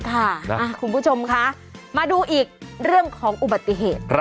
คุณผู้ชมคะมาดูอีกเรื่องของอุบัติเหตุ